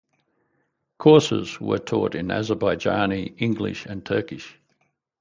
Courses were taught in Azerbaijani, English, and Turkish.